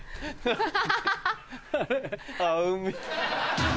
ハハハハ！